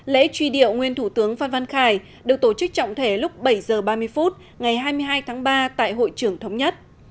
lễ truy điệu nguyên thủ tướng phan văn khải được tổ chức trọng thể lúc bảy h ba mươi phút ngày hai mươi hai tháng ba tại hội trưởng thống nhất